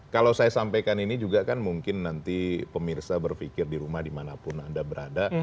kalau saya sampaikan ini juga kan mungkin nanti pemirsa berpikir di rumah dimanapun anda berada